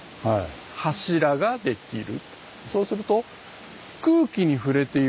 柱ができる。